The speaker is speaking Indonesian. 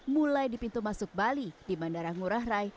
mulai di pintu masuk bali di bandara ngurah rai